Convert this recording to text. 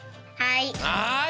はい。